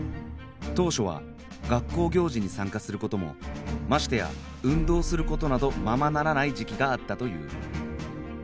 当初は学校行事に参加する事もましてや運動する事などままならない時期があったという